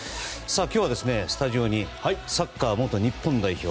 今日は、スタジオにサッカー元日本代表